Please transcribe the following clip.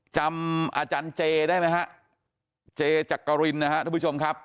จำอาจารย์เจได้ไหมฮะเจจักรินนะฮะทุกผู้ชมครับ